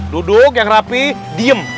duduk yang rapi diem